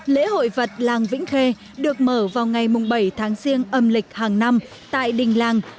lễ hội vật làng vĩnh khê được mở vào ngày bảy tháng riêng âm lịch hàng năm tại đình làng